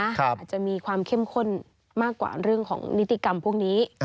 อาจจะมีความเข้มข้นมากกว่าเรื่องของนิติกรรมพวกนี้